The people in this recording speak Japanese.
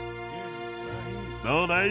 どうだい？